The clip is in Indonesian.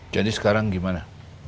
jadi sekarang gimana